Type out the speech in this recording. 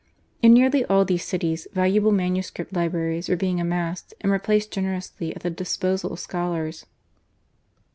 In nearly all these cities valuable manuscript libraries were being amassed, and were placed generously at the disposal of scholars.